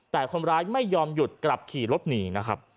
แต่คนร้ายไม่ยอมหยุดกลับขี่รถหนีนะครับ